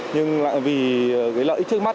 nhưng lại vì cái lợi ích trước mắt